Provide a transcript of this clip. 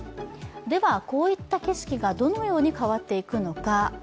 ではこういった景色がどのように変わっていくのか。